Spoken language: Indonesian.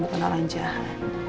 bukan alahan jahat